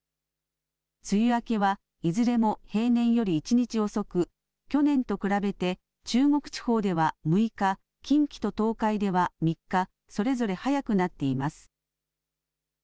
梅雨明けはいずれも平年より１日遅く、去年と比べて中国地方では６日、近畿と東海では３日それぞれ早くなっています。